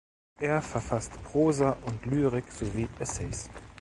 Er verfasst Prosa und Lyrik, sowie Essays.